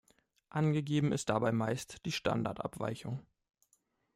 Angegeben ist dabei meist die Standardabweichung.